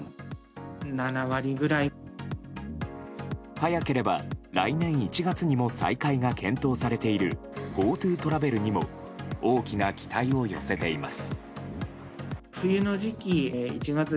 早ければ来年１月にも再開が検討されているＧｏＴｏトラベルにも大きな期待を寄せています。